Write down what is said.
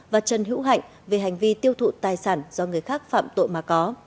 và trần hữu hạnh về hành vi tiêu thụ tài sản do người khác phạm tội mà có